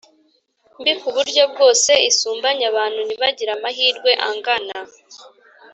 mbi ku buryo bwose. Isumbanya abantu, ntibagire amahirwe angana,